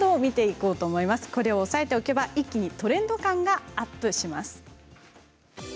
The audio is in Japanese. これを押さえておけば、一気にトレンド感がアップします。